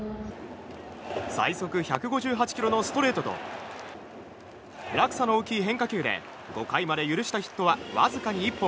最速１５８キロのストレートと落差の大きい変化球で５回まで許したヒットはわずかに１本。